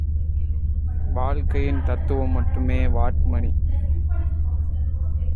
வாட்மணி என்றால் என்ன?